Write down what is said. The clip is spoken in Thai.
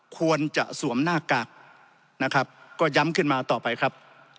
ควรจะสวมหน้ากากนะครับก็ย้ำขึ้นมาต่อไปครับ